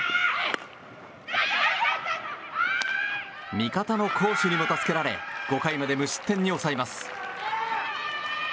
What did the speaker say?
味方の好守にも助けられ５回まで無失点に抑えます。